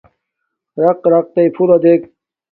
رَقرَقتݵئ پھُلݳ دݵک.